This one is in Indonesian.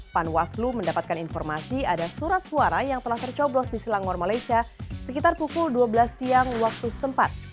panwaslu mendapatkan informasi ada surat suara yang telah tercoblos di silangor malaysia sekitar pukul dua belas siang waktu setempat